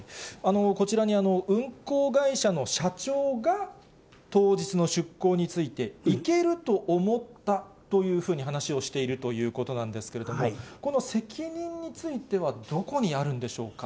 こちらに運航会社の社長が当日の出航について、行けると思ったというふうに話をしているということなんですけれども、この責任については、どこにあるんでしょうか。